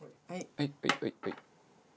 はいはいはいはい。